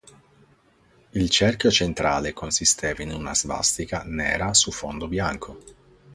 Il cerchio centrale consisteva in una svastica nera su fondo bianco.